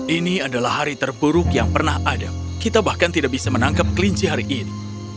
ini adalah hari terburuk yang pernah ada kita bahkan tidak bisa menangkap kelinci hari ini